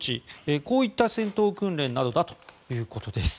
こういった戦闘訓練などだということです。